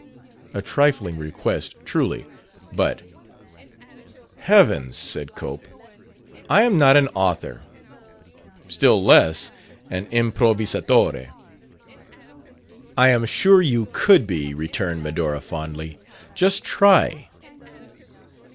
A trifling request, truly. But "Heavens!" said Cope. "I am not an author still less an improvvisatore." "I am sure you could be," returned Medora fondly. "Just try."